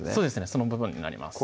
その部分になります